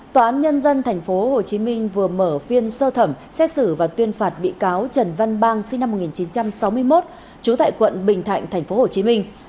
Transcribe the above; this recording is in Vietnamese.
tòa án nhân dân thành phố hồ chí minh vừa mở phiên sơ thẩm xét xử và tuyên phạt bị cáo trần văn bang sinh năm một nghìn chín trăm sáu mươi một chú tại quận bình thạnh thành phố hồ chí minh